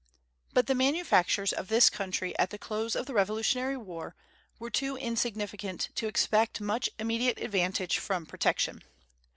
But the manufactures of this country at the close of the Revolutionary War were too insignificant to expect much immediate advantage from protection.